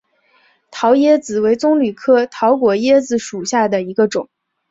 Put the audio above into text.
桃椰子为棕榈科桃果椰子属下的一个种。